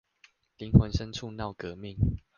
靈魂深處鬧革命